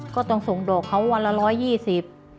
ก็ต้องส่งดอกเขาวันละ๑๒๐บาท